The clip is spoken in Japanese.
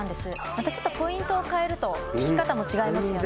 またちょっとポイントを変えると効き方も違いますよね